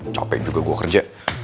capek juga gua kerja